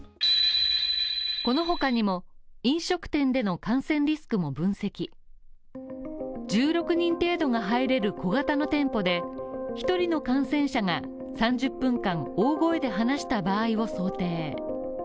この他にも、飲食店での感染リスクも分析、１６人程度が入れる小型の店舗で１人の感染者が３０分間、大声で話した場合を想定